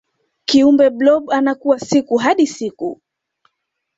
kiumbe blob anakua siku hadi siku